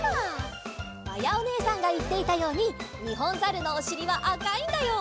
まやおねえさんがいっていたようにニホンザルのおしりはあかいんだよ。